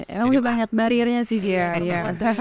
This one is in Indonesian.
emang lebih banyak karirnya sih dia